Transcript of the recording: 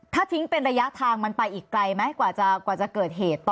ถ้าทิ้งเป็นระยะทางมันไปอีกไกลไหมกว่าจะเกิดเหตุต่อ